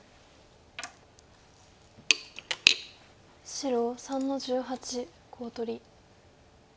白３の十八コウ取り。